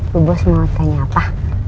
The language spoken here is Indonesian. lu bos mau tanya apa